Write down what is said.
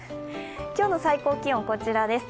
今日の最高気温、こちらです。